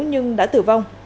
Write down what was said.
nhưng đã tử vong